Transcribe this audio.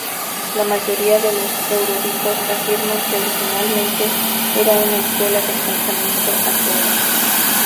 La mayoría de los eruditos afirman que originalmente era una escuela del pensamiento ateo.